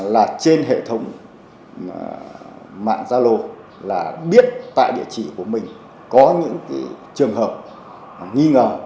là trên hệ thống mạng gia lô là biết tại địa chỉ của mình có những trường hợp nghi ngờ